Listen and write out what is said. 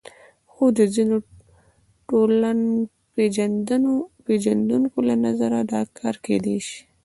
خو د ځینو ټولنپېژندونکو له نظره دا کار کېدای شي.